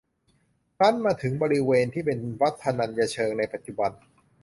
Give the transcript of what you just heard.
ครั้นมาถึงบริเวณที่เป็นวัดพนัญเชิงในปัจจุบัน